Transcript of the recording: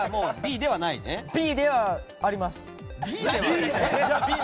Ｂではあります。